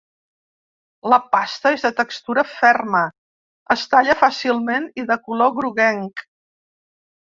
La pasta és de textura ferma, es talla fàcilment i de color groguenc.